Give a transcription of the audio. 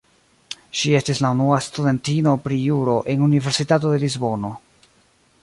Ŝi estis la unua studentino pri Juro en Universitato de Lisbono.